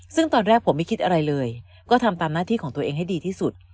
ซึ่งตอนแรกผมไม่คิดอะไรเลยก็ทำตามหน้าที่ของตัวเองให้ดีที่สุด